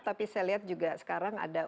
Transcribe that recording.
tapi saya lihat juga sekarang ada